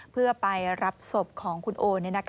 เพื่อไปรับศพของคุณโอ